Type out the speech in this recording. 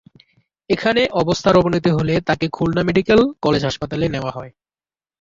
এখানে অবস্থার অবনতি হলে তাঁকে খুলনা মেডিকেল কলেজ হাসপাতালে নেওয়া হয়।